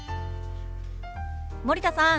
森田さん